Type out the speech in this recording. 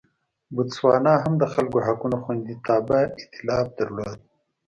بوتسوانا هم د خلکو حقونو خوندیتابه اېتلاف درلود.